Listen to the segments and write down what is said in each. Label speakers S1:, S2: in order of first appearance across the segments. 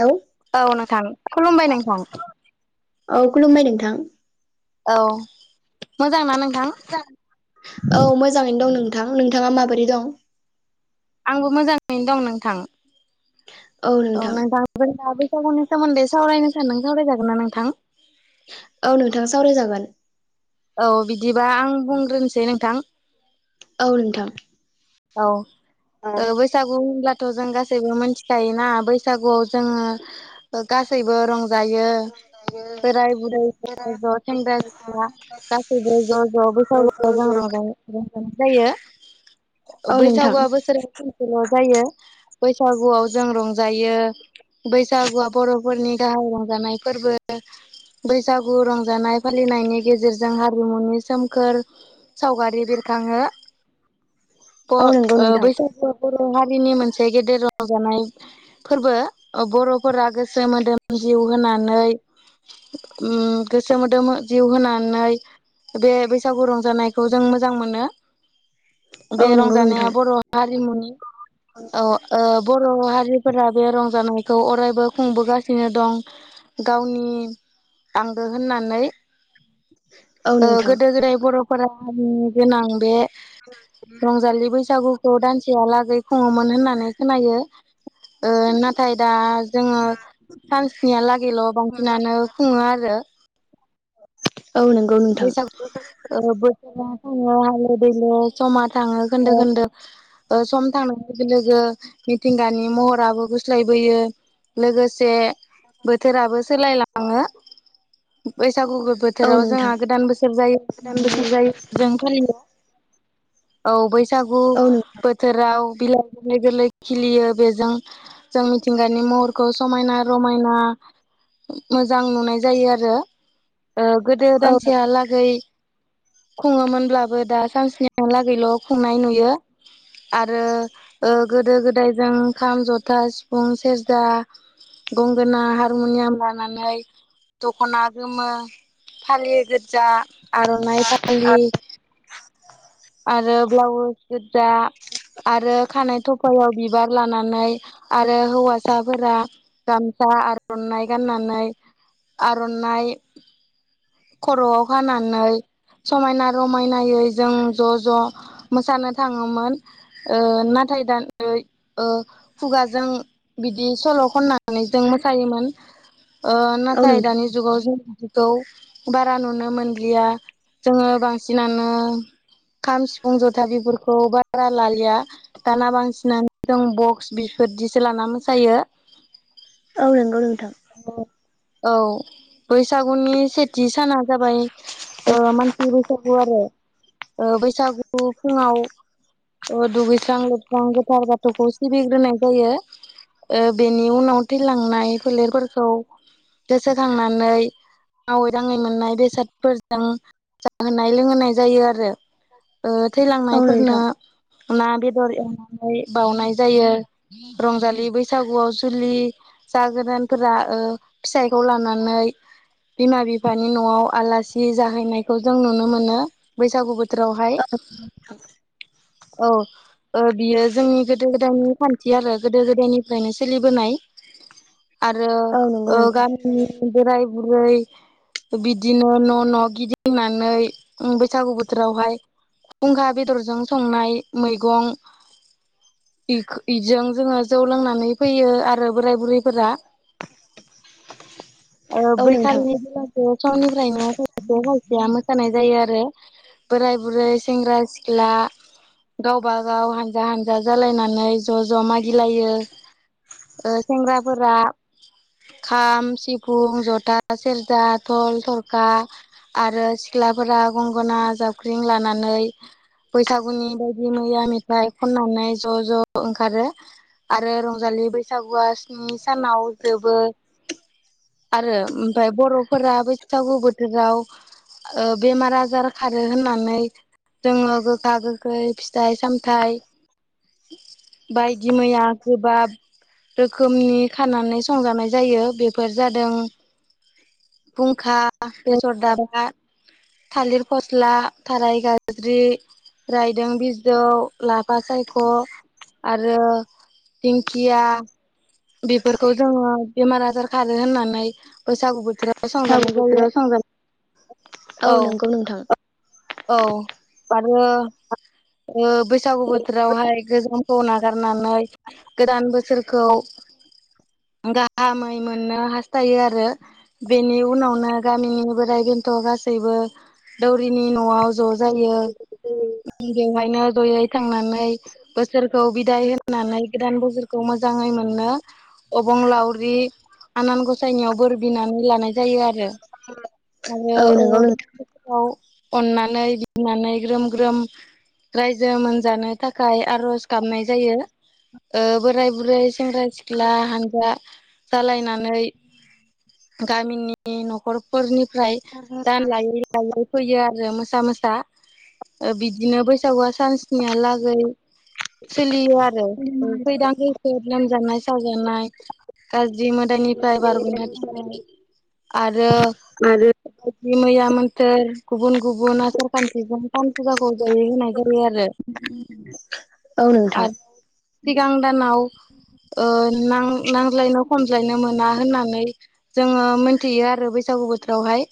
S1: हेल' [unintelligible]
S2: औ नोंथां खुलुमबाय नोंथां
S1: औ खुलुमबाय नोंथां
S2: औ मोजांना नोंथां
S1: औ मोजाङैनो दं नोंथां नोंथाङा माबोरै दं
S2: आंबो मोजाङैनो दं नोंथां औ नोंथां जोंहा बैसागुनि सोमोन्दै सावरायनो सानदों सावरायजागोन ना नोंथां
S1: औ नोंथाङा सावरायजागोन
S2: औ बिदिबा आं बुंग्रोनोसै नोंथां
S1: औ नोंथां
S2: औ बैसागु होनब्ला थ' जों गासैबो मिथिखायोना बैसागुआव जोङो गासैबो रं जायो बोराय बुरै ज' ज' सेंग्रा सिख्ला गासैबो ज' ज' बैसागु जों रंजा रंजानाय जायो।
S1: औ नोंथां
S2: बैसागुआ बोसोराव सानसेल' जायो बैसागुआव जों रंजायो। बैसागुआ बर'फोरनि गाहाय रंजानाय फोरबो। बैसागु रंजानाय फालिनायनि गेजेरजों हारिमुनि सोमखोर सावगारि बेरखाङो
S1: औ नंगौ
S2: [unintelligible]
S1: नोंथां
S2: बैसागुआ बर' हारिनि मोनसे गेदेर रं रंजानाय फोरबो बर'फोरा गोसो मोदोम जिउ होनानै उम गोसो मोदोम जिउ होनानै बे बैसागु रंजानायखौ जों मोजां मोनो। बे
S1: औ नंगौ
S2: रंजानाया
S1: नोंथां
S2: बर' हारिमुनि ओ ओ बर' हारिफोरा बे रंजानायखौ अरायबो खुंबोगासिनो दं। गावनि आंगो होननानै
S1: औ
S2: ओ
S1: नोंथां
S2: गोदो गोदाय बर'फोरा हारिनि गोनां बे
S1: उम
S2: रंजालि बैसागुखौ दानसेयालागै खुङोमोन होननानै खोनायो। ओ नाथाय दा जोङो सानसेनिहालागैल' बांसिनानो खुङो आरो
S1: औ नों
S2: बैसागु ओ बोथोरा थाङो हालो दैलो समा थाङो खोन्दो खोन्दो ओ सम थांनाय लोगो लोगो मिथिंगानि महराबो गुस्लायबोयो। लोगोसे बोथोराबो सोलायलाङो बैसागु
S1: औ
S2: बोथोराव जोंहा
S1: नोंथां
S2: गोदान बोसोर जायो
S1: औ
S2: होननानै जों फालियो। औ बैसागु
S1: नों
S2: बोथोराव बिलाइ गोरलै गोरलै खिलियो बेजों जों मिथिंगानि महरखौ समायना रमायना मोजां नुनाय जायो आरो ओ गोदो
S1: औ
S2: दानसेहालागै खुङोमोनब्लाबो दा सानसेनिलागैल' खुंनाय नुयो। आरो गोदो गोदायजों ओ खाम जथा सिफुं सेरजा गंगोना हारमुनियाम लानानै दख'ना गोमो फालियो गोजा आर'नाइ फालि
S1: [inaudible]
S2: आरो ब्लाउस गोजा आरो खानाय थफायाव बिबार लानानै आरो हौवासाफोरा गामसा आर'नाइ गाननानै आर'नाइ खर'आव खानानै समायना रमायनायै जों ज' ज' मोसानो थाङोमोन ओ नाथाय दा ओ ओ खुगाजों बिदि सल' खननानै जों मोसायोमोन। आ
S1: औ
S2: नाथाय
S1: नों
S2: दानि जुगाव जों बिदिखौ बारा नुनो मोनलिया जोङो बांसिनानो खाम, सिफुं, जथा बेफोरखौ बारा जालिया दाना बांसिनानो दं बक्स बिफोरदिसो लाना मोसायो।
S1: औ नंगौ नोंथां।
S2: औ बैसागुनि सेथि साना जाबाय ओ मानसि बैसागु आरो ओ बैसागुखौ फुङाव दुगैस्रां-लोबस्रां गोथार बाथौखौ सिबिग्रोनाय जायो। ओ बेनि उनाव थैलांनाय फोलेरफोरखौ गोसोखांनानै मावै दाङै मोननाय बेसादफोरजों जाहोनाय लोंहोनाय जायो आरो। ओ
S1: औ
S2: थैलांनायफोरनो
S1: नोंथां
S2: ना बेदर एवनानै बावनाय जायो। रंजालि बैसागुआव जुलि जागोदानफोरा फिथाइखौ लानानै। बिमा बिफानि न'आव आलासि जाहैनायखौ जों नुनो मोनो बैसागु बोथोराव बोरावहाय औ। बियो जोंनि गोदो-गोदायनि खान्थि आरो गोदो-गोदायनिफ्रायनो सोलिबोनाय आरो
S1: औ नंगौ
S2: ओ
S1: नोंथां
S2: गाम बोराय बुरै बिदिनो न' न' गिदिंनानै बैसागु बोथोर बोथोरावहाय फुंखा बेदरजों संनाय मैगं इदजों जोङो जौ लोंनानै फैयो आरो बोराय बुरैफोरा [inaudible] ओ
S1: औ नोंथां
S2: बैखालिनिफ्रायनो बेलासो समनिफ्रायनो हायसेया मोसानाय जायो आरो बोराय बुरै सेंग्रा-सिख्ला गावबा गाव हानजा हानजा जालायनानै ज' ज' मागिलायो। ओ सेंग्राफोरा खाम, सिफुं, जथा, सेरजा, थल थरखा आरो सिख्लाफोरा गंगोनना जावख्रिं लानानै बैसागुनि बायदि मैया मेथाइ खननानै ज' ज' ओंखारो। आरो रंजालि बैसागुआ स्नि सानाव जोबो आरो ओमफ्राय बर'फोरा बैसागु बोथोराव बेमार आजार खा होननानै जोङो गोखा, गोखै फिथाइ-सामथाइ बायदि मैया गोबाब रोखोमनि खानानै संजानाय जायो बेफोर जादों। फुंखा, बेसर दाबा, थालिर फस्ला थाराय गाज्रि रायदों बिजौ लाफा सायख' आरो दिकिंया बेफोरखौ जोङो बेमार आजार खारो होननानै बैसागु बोथोराव
S1: बैसागु
S2: फसंजानाय जायो
S1: बोथोराव संजा औ
S2: औ ओ
S1: नंगौ नोंथां
S2: औ आरो ओ ओ बैसागु बोथोरावहाय गोजोमखौ नागारनानै गोदान बोसोरखौ गाहामै मोननो हास्थायो आरो बेनि उनावनो गामिनि बोराय बेन्थ' गासैबो दौरिनि न'आव ज' जायो बेवहायनो जयै थांनानै बोसोरखौ बिदाय होननानै गोदान बोसोरखौ मोजाङै मोननो। अबंलावरि आनान गसायनियाव बोर बिनानै लानाय जायो आरो। आरो
S1: औ नंगौ
S2: गोां बोथोराव अननानै गनानै ग्रोम ग्रोम रायजो मोनजानो थाखाय आर'ज गाबनाय जायो। बोराय बुरै सेंग्रा सिख्ला हानजा जालायनानै गामिनि न'खरफोरनिफ्राय दान
S1: नोंथां
S2: लायै लायै फैयो आरो मोसा मोसा बिदिनो बैसागुआ सानसनियालागै सोलियो आरो फैदां खैफोद लोमजानाय साजानाय गाज्रि मोदायनिफ्राय बारग'नो थाखाय
S1: आरो
S2: आरो।
S1: आरो
S2: यदि मैया मोन्थोर गुबुन गुबुन आसार खान्थिजों थाम फुजाखौ जयै होनाय जायो आरो।
S1: [inaudible] औ नोंथां
S2: आरो सिगांदानाव नांज्लायनो खमज्लायनो मोना होननानै जोङो मोनथियो आरो बैसागु बोथोरावहाय।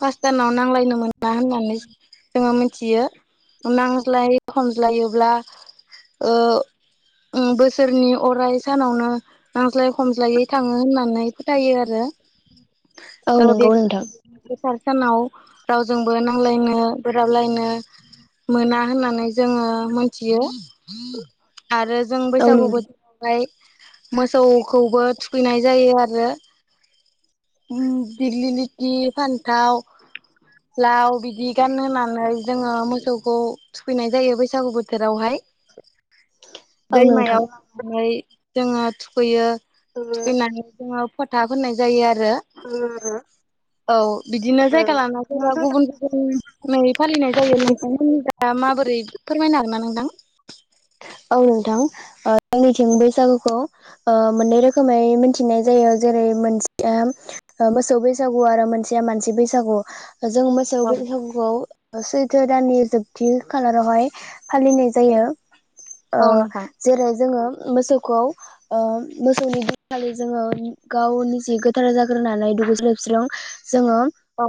S2: फासटामाव नांलायनो मोना होननानै जोङो मोनथियो। नांज्लायो हमज्लायोब्ला ओ बोसोरनि अराय सानावनो नांज्लाय खमज्लायै थाङो होननानै फोथायो आरो।
S1: औ
S2: ओ बे
S1: नंगौ। नोंथां
S2: गोथार सानाव रावजोंबो नांलायनो बोराबलायनो मोना होननानै जोङो मोनथियो। आरो जों
S1: औ
S2: बैसागु
S1: नोंथां
S2: बोथोरावहाय। मोसौखौबो थुखैनाय जायो आरो दिगलिलि थि फान्थाव लाव बिदि गानहोनानै जोङो मोसौखौ थुखैनाय जायो बैसागु बोथोरावहाय
S1: औ नोंथां
S2: दैमायाव ओमफ्राय जोङो थुखैयो। थुखैनानै जोङो फोथा होनाय जायो आरो।
S1: [inaudible]
S2: औ बिदिनो जायगा लाना जायबा
S1: नोंथां
S2: गुबुन गुबुन नै फालिनाय जायो नोंथांमोननि दा माबोरै फोरमायनो आरोना नोंथां।
S1: औ नोंथां आंनिथिं बैसागुखौ मोननै रोखोमै मिथिनाय जायो जेरै मोनसेया मोसौ बैसागु आरो मोनसेया मानसि बैसागु जों मो मोसौ
S2: औ
S1: बैसखौ सैथो दाननि जोबथि खालारावहाय फालिनाय
S2: औ
S1: जायो।
S2: औ नोंथां
S1: जेरै जोङो मोसौखौ मोसौनि दिनखालि जोङो गावनि जिे गोथारै जाग्रोनानै दुगैजोबस्रां जोङो
S2: औ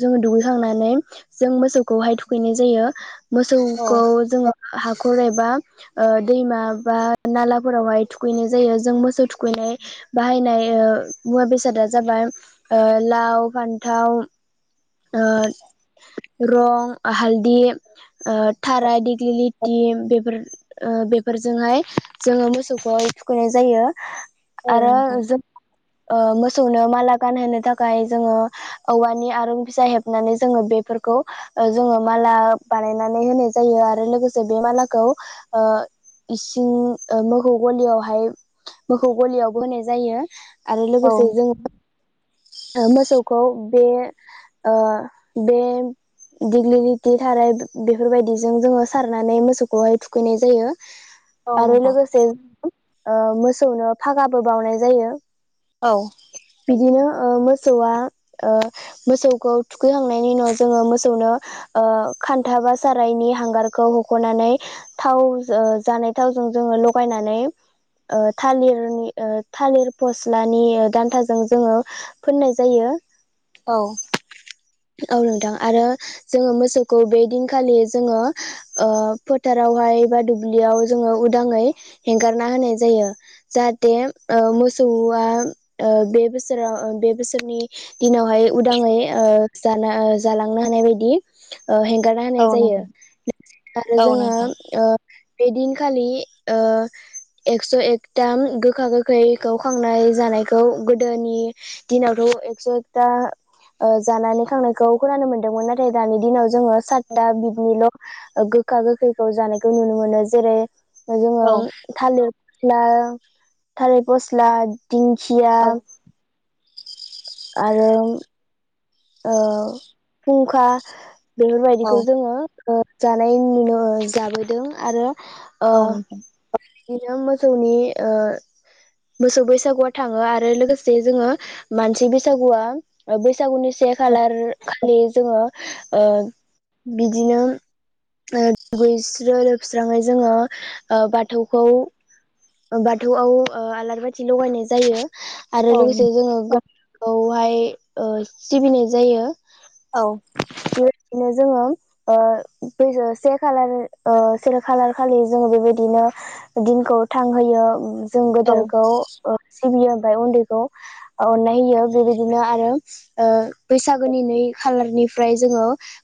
S1: जोङो दुगैखांनानै जों मोसौखौहाय थुखैनाय जायो।
S2: औ
S1: मोसौखौ जोङो हाब खर एबा दैमा बा नालाफोरावहाय थुखैनाय जायो। जों मोसौ थुखैनाय बाहायनाय मुवा बेसादा जाबाय लाव फान्थाव रं हालदि थाराय दिग्लि लिटि बेफोर बेफोरजोंहाय जोङो मोसौखै थुखैनाय जायो।
S2: औ
S1: आरो
S2: नोंथां
S1: जों ओ मोसौनो माला गानहोनो थाखाय जोङो औवानि आरो फिसा हेबनानै जोङो बेफोरखौ हो ओ जोङो माला बानायनानै होनाय जायो आरो लोगोसे बे मालाखौ ओ इसिं ओ मोखौ गलियावहाय मोखौ गलिआवबो होनाय जायो आरो
S2: औ
S1: लोगोसे जों मोसौखौ बे ओ बे दिग्लिथि थाराय बेफोरबायदिजों जोङो सारनानै मोसौखौहाय थुखैनाय जायो
S2: [inaudible]
S1: आरो लोगोसे जों ओ मोसौनो फागाबो बावनाय जायो
S2: औ
S1: बिदिनो ओ मोसौआ ओ मोसौ मोसौखौ थुखैखांनायनि उनाव जोङो मोसौनो ओ खान्था बा सारायनि हांगारखौ हख'नानै थाव ओ जानाय थावजों जोङो लगायनानै ओ थालिरनि ओ थालिर फस्लानि दान्थाजों जोङो फोननाय जायो
S2: औ
S1: औ नोंथां आरो जोङो मोसौखौ बे दिनखालि जोङो ओ फोथारावहाय बा दुब्लिआव जोङो उदाङै हेंगारना होनाय जायो जाहाथे ओ मोसौआ ओ बे बोसोराव ओ बे बोसोरनि दिनावहाय उदाङै ओ जा जालांनो हानाय बायदि ओ हेंगारना
S2: औ
S1: होनाय जायो
S2: नोंथां
S1: आरो
S2: औ
S1: जोङो
S2: नोंथां
S1: ओ बे दिनखालि ओ एक्स' एकथाम गोखा गोखैखौ खांनाय जानायखौ गोदोनि दिनावथ‌' एकस' एकथा ओ जानानै खांनायखौ खोनानो मोनदोंमोन नाथाय दानि दिनाव जोङो सातथा बिदिल' ओ गोखा गोखैखौ जानायखौ नुनो मोनो जेरै जोङो
S2: औ
S1: थालिथ ला थालिथ फस्ला दिंखिआ
S2: औ
S1: आरो उम ओ हुंखा
S2: औ
S1: बेफोरबायदिखौ जोङो ओ जानाय नुनो जाबोदों आरो ओ
S2: औ नोंथां
S1: बिदिनो मोसौनि ओ मोसौ बैसागुआ थाङो आरो लोगोसे जोङो मानसि बैसागुआ ओ बैसागुनि से
S2: औ
S1: खालार खालि जोङो ओ बिदिनो ओ दुगैस्रो लोबस्राङै जोङो ओ बाथौ खौ बाथौआव ओ आलारि बाथि लगायनाय जायो आरो
S2: औ
S1: लोगोसे जोङो गावखौहाय ओ सिबिनाय जायो
S2: औ
S1: बेबायदिनो जोङो ओ बै से खालार ओ से खालार खालि जोङो बेबायदिनो दिनखौ थांहोयो जों गोदोरखौ ओ सिबियो आमफ्राय उन्दैखौ अननाय होयो बेबायदिनो आरो ओ बैसागोनि नै खालारनिफ्राय जोङो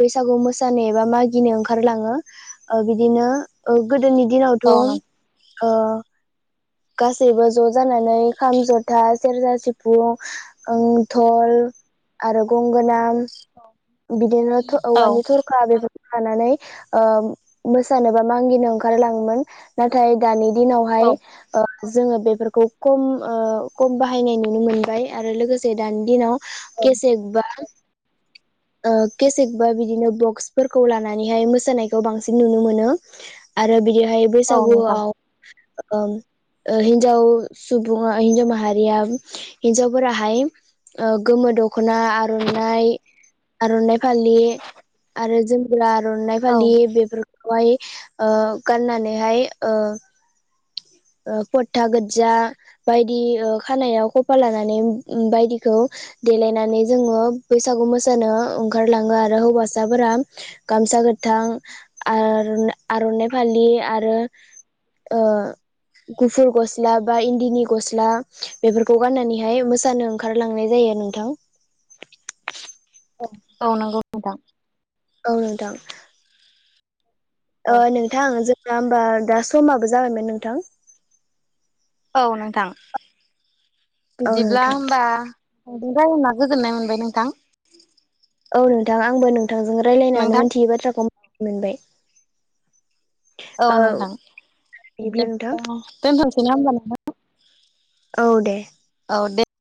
S1: बैसागु मोसानो एबा मागिनो ओंखारलाङो ओ बिदिनो ओ गोदोनि दिनावथ'
S2: औ
S1: ओ गासैबो ज' जानानै खाम ज'था सेरजा सिफुं ओं धल आरो गंगोना बिदिनो जों औवानि
S2: औ
S1: थरखा बेबादिनो लानानै ओ मोसानो बा मागिनो ओंखारलाङोमोन नाथाय नाथाय दानि दिनावहाय ओ जोङो बेफोरखौ खम खम बाहायनाय नुनो मोनबाय आरो लोगोसे दानि दिनाव
S2: औ
S1: केसेत बा केसेक बा बिदिनो बक्स फोरफोरखौ लानानैहाय मोसानायखौ बांसिन नुनो मोनो। आरो बिदिहाय
S2: औ नोंथां
S1: बैसागुआव ओं हिन्जाव सुबुंङा हिन्जाव माहारिया हिन्जावफोराहाय ओ गोमो दख'ना आर'नाइ आर'नाइ फालि आरो जोमग्रा आर'नाइ
S2: औ
S1: फालि बेफोरखौ खौहाय ओ गाननानैहाय ओ ओ पथा गोजा बायदि खानायाव खफा लानानै बायदिखौ देलायनानै जोंङो बैसागु मोसा नो ओंखारलांङो आरो हौवासाफोरा गामसा गोथां आर आर'नाइ फालि आरो गुफुर गस्ला बा इन्दिनि गस्ला बेफोरखौ गाननानैहाय मोसानो ओंखारलांनाय जायो नोंथां
S2: औ औ नंगौ नोंथां
S1: औ नोंथां नोंथां जोंना होमबा दा समाबो जाबायमोन नोंथां
S2: औ नोंथां
S1: औ
S2: बिदिब्ला
S1: नोंथां
S2: होमबा नोंजों रायलायना गोजोननाय मोनबाय नोंथां
S1: औ नोंथां आंबो नोंथांजों रायलायनानै
S2: नोंथां
S1: मोनथियै बाथ्राखौ मिनो मोनबाय
S2: औ नोंथां बिदि
S1: बिदिब्ला नोंथां
S2: दोनथ'सै ना होमबा
S1: औ दे
S2: औ दे